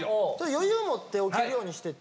余裕をもって起きるようにしてて。